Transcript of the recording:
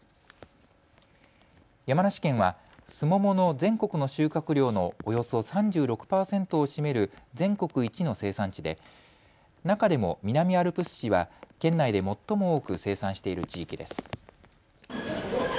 山梨県はスモモの全国の収穫量のおよそ３６％を占める全国一の生産地で中でも南アルプス市は県内で最も多く生産している地域です。